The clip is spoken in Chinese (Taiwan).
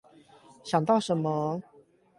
想到什麼